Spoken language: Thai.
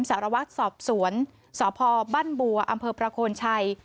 สารวัตรสอบสวนสพบ้านบัวอำเภอประโคนชัย